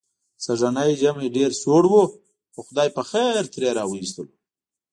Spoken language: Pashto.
سږنی ژمی ډېر سوړ و، خو خدای پخېر ترې را و ایستلو.